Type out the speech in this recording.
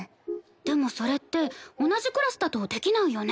でもそれって同じクラスだとできないよね。